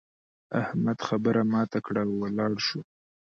احمد خبره ماته کړه او ولاړ شو.